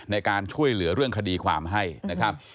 ในการช่วยเหลือเรื่องคดีความให้นะครับ